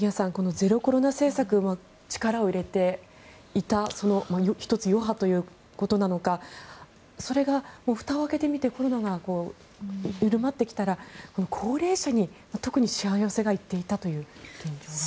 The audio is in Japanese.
ゼロコロナ政策に力を入れていたその１つの余波ということなのかそれがふたを開けてみてコロナが緩まってきたら高齢者に特にしわ寄せが行っていたという現状が。